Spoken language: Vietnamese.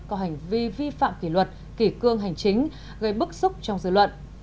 có hành vi vi phạm kỷ luật kỷ cương hành chính gây bức xúc trong dư luận